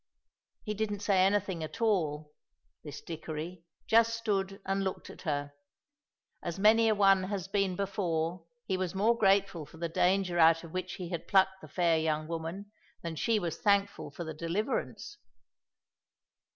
He didn't say anything at all, this Dickory; just stood and looked at her. As many a one has been before, he was more grateful for the danger out of which he had plucked the fair young woman than she was thankful for the deliverance.